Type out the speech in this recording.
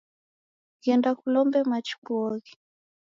Ghenda kulombe machi kuoghe.